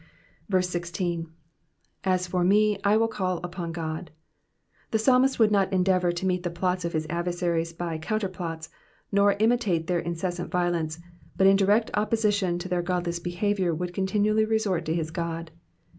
16. ^^ As far me, I will eaU upon Ood,^^ The psalmist would not endeavour to meet the plots of his adversaries by counterplots, or imitate their incessant violence, but in direct opposition to their godless behaviour would continually resort to his God.